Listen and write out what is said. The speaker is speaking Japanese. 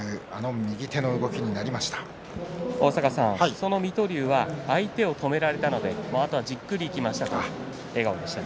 その水戸龍は相手を止められたのであとはじっくりいきましたと笑顔でした。